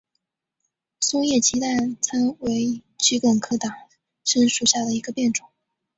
松叶鸡蛋参为桔梗科党参属下的一个变种。